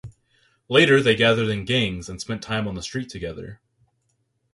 Later they gathered in gangs and spent time on the street together.